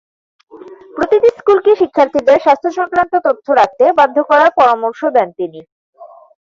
প্রতিটি স্কুলকে শিক্ষার্থীদের স্বাস্থ্যসংক্রান্ত তথ্য রাখতে বাধ্য করার পরামর্শ দেন তিনি।